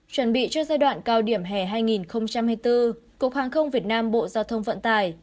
chuẩn bị cho giai đoạn cao điểm hè hai nghìn hai mươi bốn cục hàng không việt nam bộ giao thông vận tải